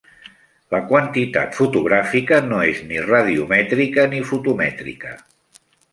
La quantitat fotogràfica no és ni radiomètrica ni fotomètrica.